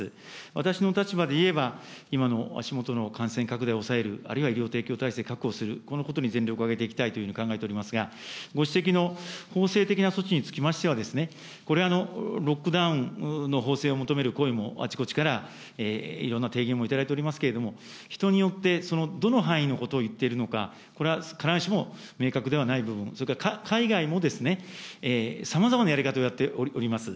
私の立場で言えば、今の足元の感染拡大を抑える、あるいは医療提供体制を確保する、このことについて全力を挙げていきたいというふうに考えておりますが、ご指摘の法制的な措置につきましては、これは、ロックダウンの法制を求める声もあちこちからいろんな提言も頂いておりますけれども、人によって、そのどの範囲のことを言っているのか、これは必ずしも明確ではない部分、それから海外もさまざまなやり方をやっております。